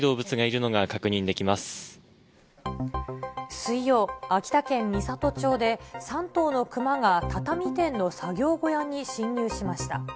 水曜、秋田県美郷町で、３頭の熊が畳店の作業小屋に侵入しました。